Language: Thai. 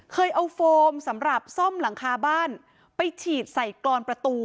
เคยเอาโฟมสำหรับซ่อมหลังคาบ้านไปฉีดใส่กรอนประตู